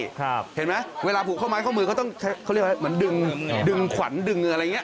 เห็นไหมเวลาผูกข้อไม้ข้อมือเขาต้องใช้เขาเรียกว่าเหมือนดึงดึงขวัญดึงอะไรอย่างเง